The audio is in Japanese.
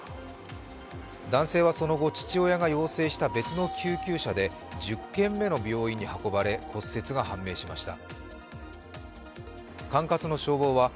男性はその後、父親が要請した別の救急車で１０軒目の病院に運ばれ骨折が判明しました。